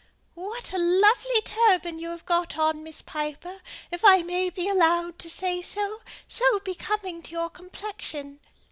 "What a lovely turban you have got on, Miss Piper, if I may be allowed to say so: so becoming to your complexion!"